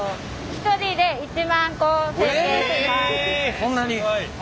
そんなに？